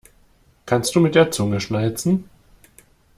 Kannst du mit der Zunge schnalzen?